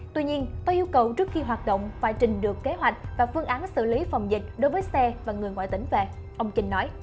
tuy nhiên với yêu cầu trước khi hoạt động phải trình được kế hoạch và phương án xử lý phòng dịch đối với xe và người ngoại tỉnh về ông kinh nói